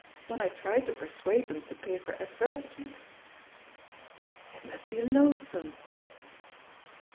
When I try to persuade them to pay for advertisements " "It must be loathsome!"